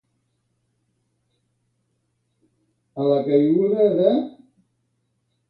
A la caiguda de.